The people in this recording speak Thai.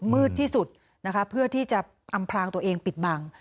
มืดที่สุดนะคะเพื่อที่จะอำพลางตัวเองปิดบัง